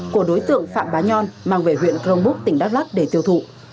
của đối tượng phạm bá nhon mang về huyện crong búc tỉnh đắk lắc để tiêu thụ